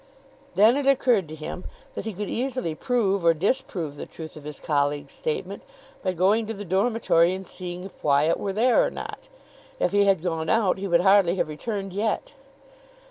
Then it occurred to him that he could easily prove or disprove the truth of his colleague's statement by going to the dormitory and seeing if Wyatt were there or not. If he had gone out, he would hardly have returned yet.